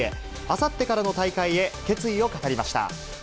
あさってからの大会へ、決意を語りました。